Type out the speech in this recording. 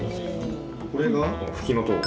これがフキノトウ？